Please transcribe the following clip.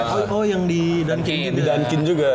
oh yang di dancin juga